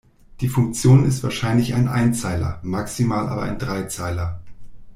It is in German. Die Funktion ist wahrscheinlich ein Einzeiler, maximal aber ein Dreizeiler.